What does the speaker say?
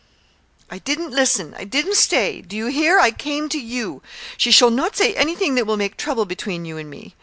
"I didn't listen! I didn't stay! Do you hear? I came to you. She shall not say anything that will make trouble between you and me.